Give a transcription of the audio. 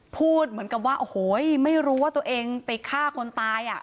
พูดเหมือนกับว่าโอ้โหไม่รู้ว่าตัวเองไปฆ่าคนตายอ่ะ